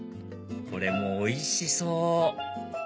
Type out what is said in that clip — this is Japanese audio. これもおいしそう！